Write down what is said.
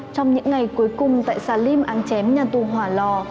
trong những ngày cuối cùng tại salim án chém nhà tù hòa lò